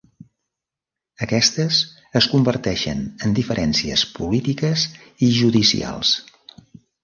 Aquestes es converteixen en diferències polítiques i judicials.